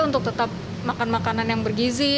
untuk tetap makan makanan yang bergizi